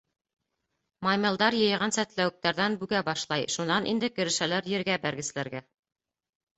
Маймылдар йыйған сәтләүектәрҙән бүгә башлай, шунан инде керешәләр ергә бәргесләргә.